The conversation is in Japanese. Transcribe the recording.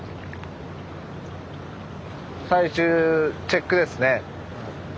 最終チェックですね。